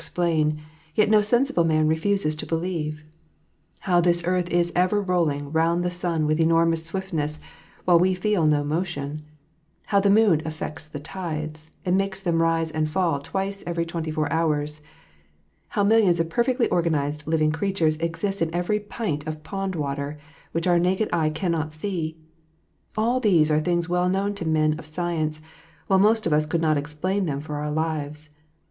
explain, yet no sensible man refuses to believe. How this earth is ever rolling round the sun with enormous swiftness, while we feel no motion, how the moon affects the tides, and makes them rise and fall twice every twenty four hours, how millions of perfectly organized living creatures exist in every pint of pond water, which our naked eye cannot see, all these are things well known to men of science, while most of us could not explain them for our lives.